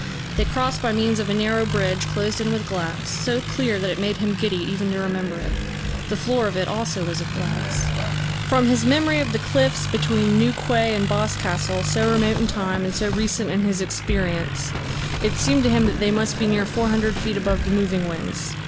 They crossed by means of a narrow bridge closed in with glass, so clear that it made him giddy even to remember it. The floor of it also was of glass. From his memory of the cliffs between New Quay and Boscastle, so remote in time, and so recent in his experience, it seemed to him that they must be near four hundred feet above the moving ways.